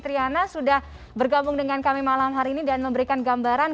terima kasih mbak devi triana sudah bergabung dengan kami malam hari ini dan memberikan gambaran